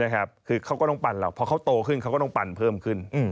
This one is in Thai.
คือเขาก็ต้องปั่นเราเพราะเขาโตขึ้นเขาก็ต้องปั่นเพิ่มขึ้น